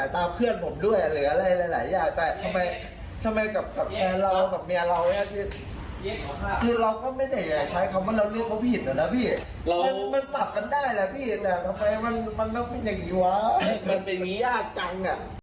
มันเป็นงี้ยากจัง